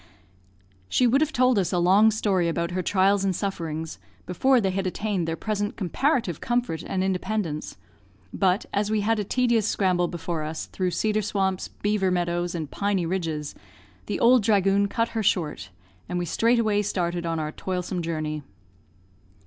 She would have told us a long story about her trials and sufferings, before they had attained their present comparative comfort and independence, but, as we had a tedious scramble before us, through cedar swamps, beaver meadows, and piny ridges, the "ould dhragoon" cut her short, and we straightway started on our toilsome journey.